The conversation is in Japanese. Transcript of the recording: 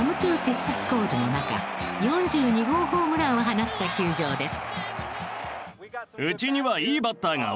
コールの中４２号ホームランを放った球場です。